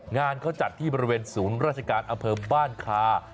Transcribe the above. งานเขาจัดที่บริเวณศูนย์ราชการอำเภอบ้านคา